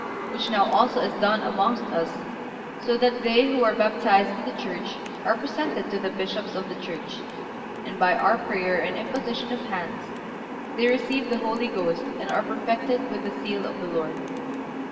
Which now also is done amongst us, so that they who are baptized in the Church are presented to the Bishops of the Church, and by our prayer and imposition of hands they receive the Holy Ghost and are perfected with the seal of the Lord."